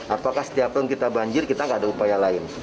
apakah setiap tahun kita banjir kita nggak ada upaya lain